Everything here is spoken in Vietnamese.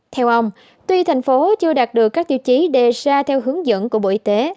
theo ông tuy thành phố chưa đạt được các tiêu chí đề ra theo hướng dẫn của bộ y tế